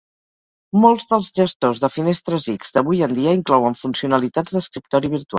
Molts dels gestors de finestres X d'avui en dia inclouen funcionalitats d'escriptori virtual.